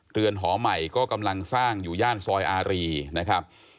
เรือนหอใหม่ก็กำลังสร้างอยู่ย่านซอยอารีนะครับ